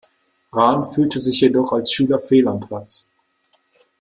Rahn fühlte sich jedoch als Schüler fehl am Platz.